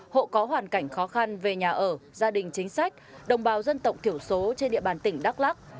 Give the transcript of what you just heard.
hộ có hoàn cảnh khó khăn về nhà ở gia đình chính sách đồng bào dân tộc thiểu số trên địa bàn tỉnh đắk lắc